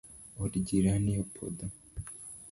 Od jirani opodho